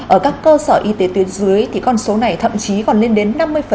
ở các cơ sở y tế tuyến dưới thì con số này thậm chí còn lên đến năm mươi